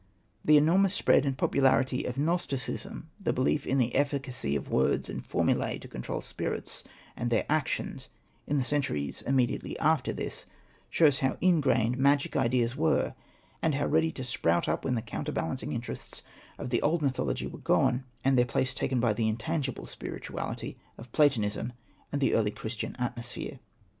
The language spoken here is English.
The enormous spread and popularity of Gnosticism — the belief in the efficacy of words and formula to control spirits and their actions — in the centuries immediately after this, shows how ingrained magic ideas were, and how ready to sprout up when the counterbalancing interests of the old mytho logy were gone, and their place taken by the intangible spirituahty of Platonism and the early Christian atmosphere.